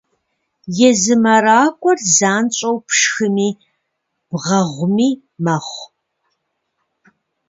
Езы мэракӏуэр занщӏэу пшхыми бгъэгъуми мэхъу.